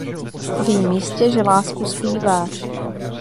Vím jistě, že lásku zpíváš.